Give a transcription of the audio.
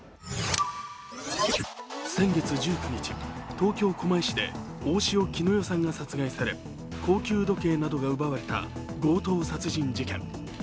先月１９日、東京・狛江市で大塩衣与さんが殺害され、高級時計などが奪われた強盗殺人事件。